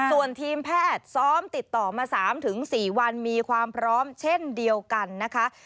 ส่วนทีมแพทย์ซ้อมติดต่อมา๓๔วันมีความพร้อมเช่นเดียวกันนะคะ